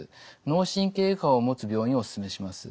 脳神経外科を持つ病院をおすすめします。